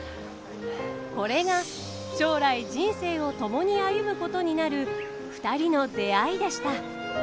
これが将来人生を共に歩むことになるふたりの出会いでした。